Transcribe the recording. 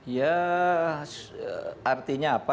ya artinya apa